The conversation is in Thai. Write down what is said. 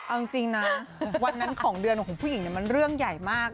เอาจริงนะวันนั้นของเดือนของผู้หญิงมันเรื่องใหญ่มาก